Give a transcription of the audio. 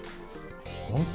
本当？